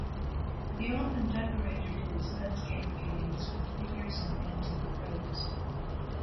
He often decorated his landscape paintings with figures in antique robes.